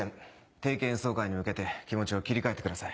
定期演奏会に向けて気持ちを切り替えてください。